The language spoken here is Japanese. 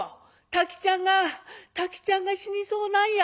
「太吉っちゃんが太吉っちゃんが死にそうなんや」。